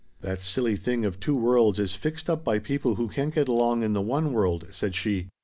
"That silly thing of two worlds is fixed up by people who can't get along in the one world," said she.